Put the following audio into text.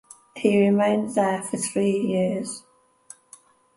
He remained there for three years.